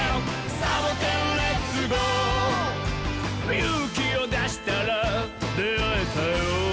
「ゆうきをだしたらであえたよ」